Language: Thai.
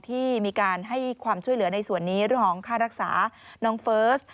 ที่มีการให้ความช่วยเหลือในส่วนนี้เรื่องของค่ารักษาน้องเฟิร์ส